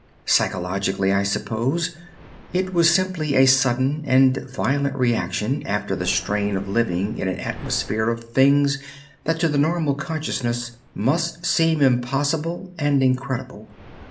Psychologically, I suppose, it was simply a sudden and violent reaction after the strain of living in an atmosphere of things that to the normal consciousness must seem impossible and incredible.